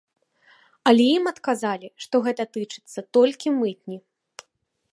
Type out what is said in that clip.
Але ім адказалі, што гэта тычыцца толькі мытні.